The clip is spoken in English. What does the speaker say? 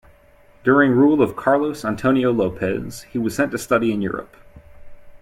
During rule of Carlos Antonio Lopez he was sent to study in Europe.